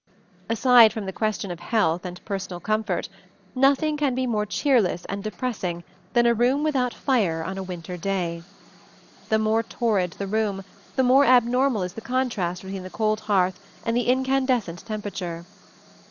Aside from the question of health and personal comfort, nothing can be more cheerless and depressing than a room without fire on a winter day. The more torrid the room, the more abnormal is the contrast between the cold hearth and the incandescent temperature.